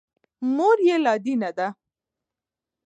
مور یې لادینه ده.